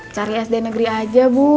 cari sd negeri aja bu